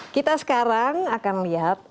kita sekarang akan liat